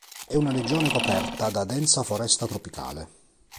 È una regione coperta da densa foresta tropicale.